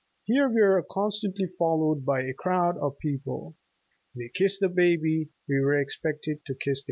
Here we were constantly followed by a crowd of people. They kissed the baby. We were expected to kiss theirs."